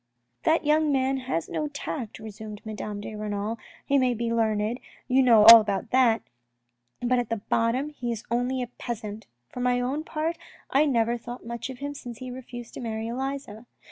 "That young man has no tact," resumed Madame de Renal. " He may be learned, you know all about that, but at bottom he is only a peasant. For my own part I never thought much of him since he refused to marry Elisa.